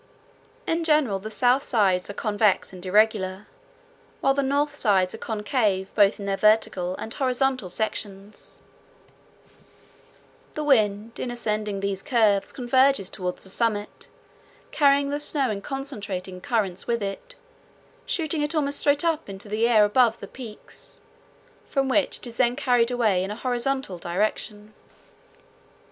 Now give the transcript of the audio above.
In general the south sides are convex and irregular, while the north sides are concave both in their vertical and horizontal sections; the wind in ascending these curves converges toward the summits, carrying the snow in concentrating currents with it, shooting it almost straight up into the air above the peaks, from which it is then carried away in a horizontal direction.